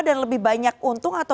dan lebih banyak untung atau tidak